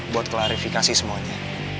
buat klarifikasi semuanya